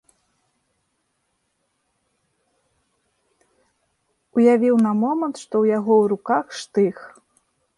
Уявіў на момант, што ў яго ў руках штых.